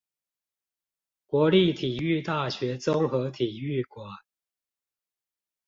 國立體育大學綜合體育館